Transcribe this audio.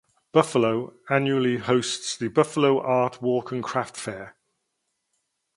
Buffalo annually hosts the Buffalo Art Walk and Craft Fair.